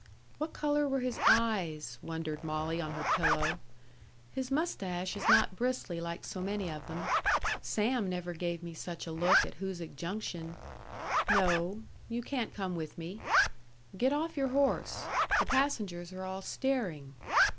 "What color were his eyes?" wondered Molly on her pillow. "His mustache is not bristly like so many of them. Sam never gave me such a look at Hoosic Junction. No.... You can't come with me.... Get off your horse.... The passengers are all staring...."